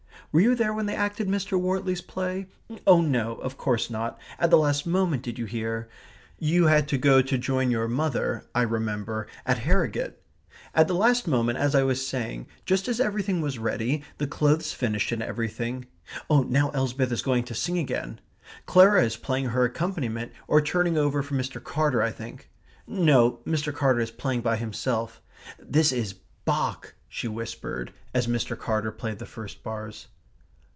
Were you there when they acted Mr. Wortley's play? Oh, no, of course not at the last moment, did you hear you had to go to join your mother, I remember, at Harrogate At the last moment, as I was saying, just as everything was ready, the clothes finished and everything Now Elsbeth is going to sing again. Clara is playing her accompaniment or turning over for Mr. Carter, I think. No, Mr. Carter is playing by himself This is BACH," she whispered, as Mr. Carter played the first bars.